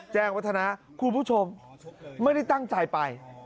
แจ้งวัฒนะคุณผู้ชมไม่ได้ตั้งใจไป